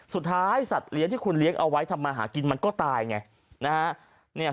สัตว์เลี้ยงที่คุณเลี้ยงเอาไว้ทำมาหากินมันก็ตายไงนะฮะ